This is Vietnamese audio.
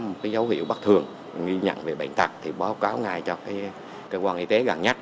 nếu mà có một cái dấu hiệu bất thường nghi nhận về bệnh tạc thì báo cáo ngay cho cái cơ quan y tế gần nhất